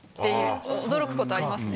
驚くことありますね。